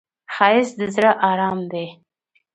ښایست د زړه آرام دی